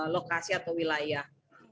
lokasi atau wilayah